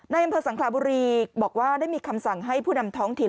อำเภอสังคลาบุรีบอกว่าได้มีคำสั่งให้ผู้นำท้องถิ่น